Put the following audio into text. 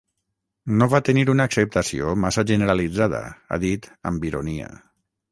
No va tenir una acceptació massa generalitzada, ha dit, amb ironia.